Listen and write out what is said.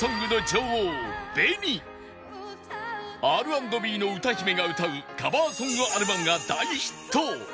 Ｒ＆Ｂ の歌姫が歌うカバーソングアルバムが大ヒット！